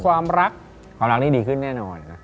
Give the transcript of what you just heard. ความรักความรักนี่ดีขึ้นแน่นอนนะ